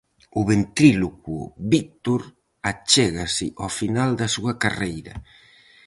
O ventrílocuo Víctor achégase ao final da súa carreira.